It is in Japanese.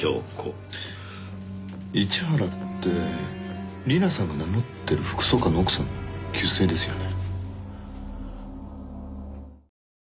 市原って里奈さんが名乗ってる副総監の奥さんの旧姓ですよね。